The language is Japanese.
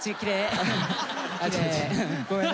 ごめんね。